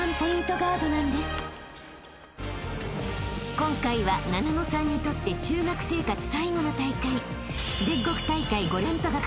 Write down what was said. ［今回はななのさんにとって中学生活最後の大会］